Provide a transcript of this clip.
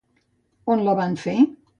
On la van fer?